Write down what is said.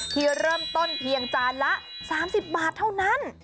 ที่เริ่มต้นเพียงจานละ๓๐บาทเท่านั้น